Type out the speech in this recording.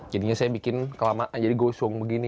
jadinya saya bikin kelamaan jadi gosong begini